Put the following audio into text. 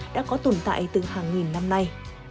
đã có tồn tại từ hàng nghìn năm nay